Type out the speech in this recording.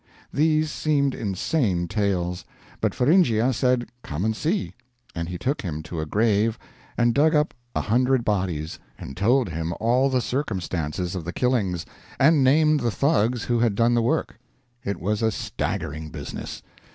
These seemed insane tales; but Feringhea said come and see and he took him to a grave and dug up a hundred bodies, and told him all the circumstances of the killings, and named the Thugs who had done the work. It was a staggering business.